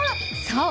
［そう。